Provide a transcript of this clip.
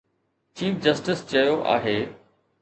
Chief justice چيو آهي.